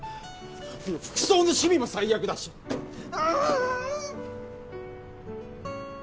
服装の趣味も最悪だしあああ。